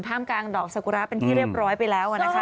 มกลางดอกสกุระเป็นที่เรียบร้อยไปแล้วนะคะ